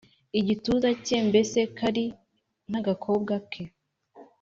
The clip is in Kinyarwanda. igituza cye Mbese kari nk agakobwa ke